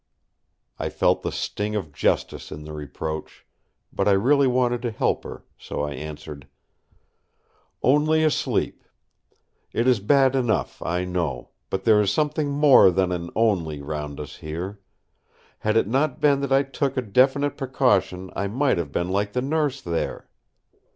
I felt the sting of justice in the reproach; but I really wanted to help her, so I answered: "Only asleep. It is bad enough, I know; but there is something more than an "only" round us here. Had it not been that I took a definite precaution I might have been like the Nurse there."